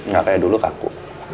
gak kayak dulu kaku